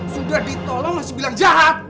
sudah ditolong harus bilang jahat